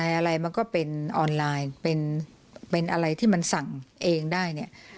อะไรมันก็เป็นออนไลน์เป็นอะไรที่มันสั่งเองได้เนี่ย